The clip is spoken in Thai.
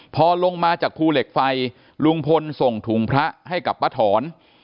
พอลงมาจากภูเหล็กไฟลุงพลส่งถุงพระให้กับป้าถอน